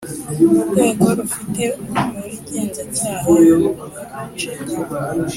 Urwego rufite ubugenzacyaha mu nshingano